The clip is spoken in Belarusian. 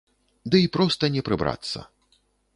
Дый проста не прыбрацца.